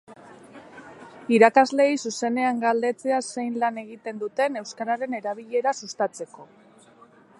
Irakasleei zuzenean galdetzea zein lan egiten duten euskararen erabilera sustatzeko.